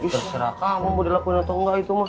terserah kamu mau dilakuin atau enggak itu mas